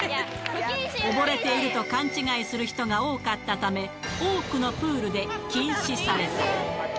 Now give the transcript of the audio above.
溺れていると勘違いする人が多かったため、多くのプールで禁止された。